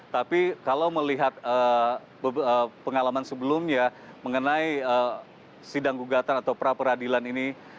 tapi kalau melihat pengalaman sebelumnya mengenai sidang gugatan atau pra peradilan ini